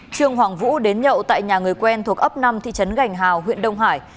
trương hoàng vũ đến nhậu tại nhà người quen thuộc ấp năm thị trấn gành hào huyện đông hải